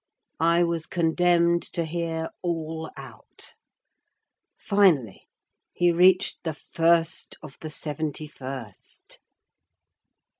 I was condemned to hear all out: finally, he reached the "First of the Seventy First."